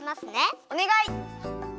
おねがい！